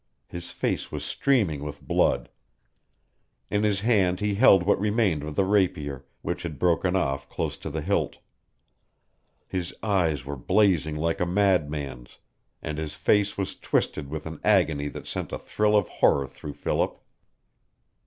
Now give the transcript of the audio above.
His face was streaming with blood. In his hand he held what remained of the rapier, which had broken off close to the hilt. His eyes were blazing like a madman's, and his face was twisted with an agony that sent a thrill of horror through Philip.